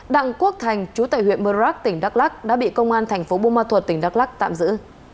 đặng quốc thành chú tài huyện mơ rắc tỉnh đắk lắc đã bị công an thành phố bô ma thuật tỉnh đắk lắc tạm giữ